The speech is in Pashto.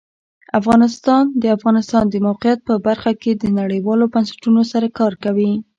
افغانستان د د افغانستان د موقعیت په برخه کې نړیوالو بنسټونو سره کار کوي.